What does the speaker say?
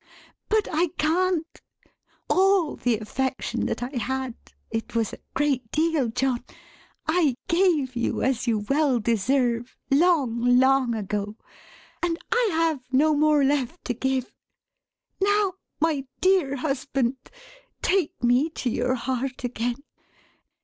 But I can't. All the affection that I had (it was a great deal John) I gave you, as you well deserve, long, long, ago, and I have no more left to give. Now, my dear Husband, take me to your heart again!